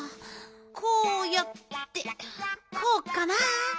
こうやってこうかな？